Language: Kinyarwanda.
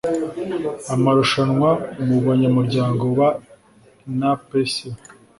amarushanwa mu banyamuryango ba npc